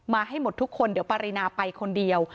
ให้หมดทุกคนเดี๋ยวปรินาไปคนเดียว